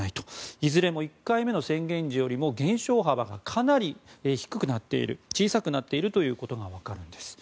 いずれも１回目の宣言時より減少幅がかなり低くなっている小さくなっているということが分かるんです。